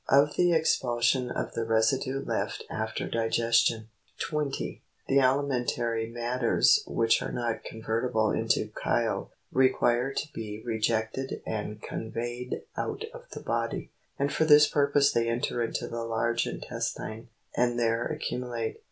OF THE EXPULSION OF THE RESIDUE LEFT AFTER DIGESTION. 20. The alimentary matters which are not convertible into chyle, require to be rejected and conveyed out of the body, and for this purpose they enter into the large intestine, and there accumulate.